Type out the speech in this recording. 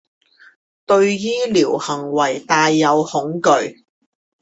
對醫療行為帶有恐懼